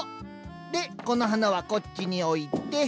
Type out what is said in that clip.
でこの花はこっちに置いて。